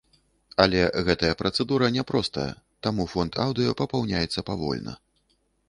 Але гэтая працэдура няпростая, таму фонд аўдыё папаўняецца павольна.